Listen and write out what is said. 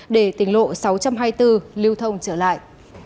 để tỉnh lộ sáu trăm hai mươi bốn lưu thông trở lại